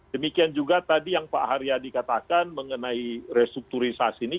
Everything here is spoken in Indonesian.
demikian juga tadi yang pak haryadi katakan mengenai restrukturisasi ini